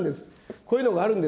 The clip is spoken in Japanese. こういうのがあるんです。